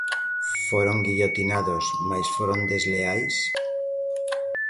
Foron guillotinados, mais foron desleais?